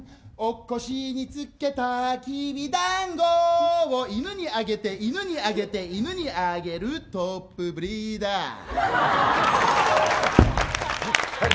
お腰につけたきび団子を犬にあげて犬にあげて犬にあげるトップブリーダー。